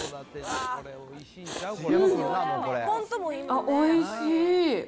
あっ、おいしい！